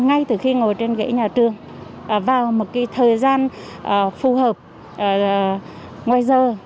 ngay từ khi ngồi trên ghế nhà trường vào một thời gian phù hợp ngoài giờ